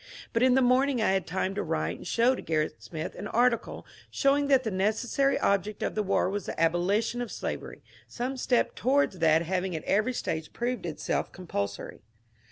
But in the morning I had time to write and show to Gerrit Smith an article showing that the necessary object of the war was the abolition of slavery, some step towards that having at every stage proved itself compulsory.